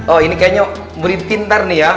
oh ini kayaknya murid pintar nih ya